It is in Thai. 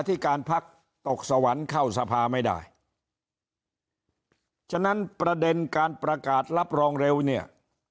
ที่การพักตกสวรรค์เข้าสภาไม่ได้ฉะนั้นประเด็นการประกาศรับรองเร็วเนี่ย